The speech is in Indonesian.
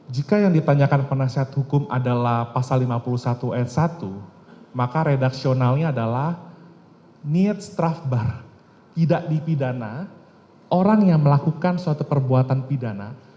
jika yang ditanyakan penasihat hukum adalah pasal lima puluh satu s satu maka redaksionalnya adalah niat strafbar tidak dipidana orang yang melakukan suatu perbuatan pidana